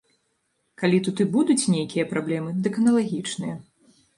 Калі тут і будуць нейкія праблемы, дык аналагічныя.